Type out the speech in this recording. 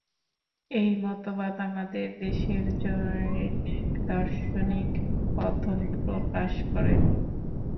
এই মতবাদ আমাদের দেশের জনৈক দার্শনিকই প্রথম প্রকাশ করেন।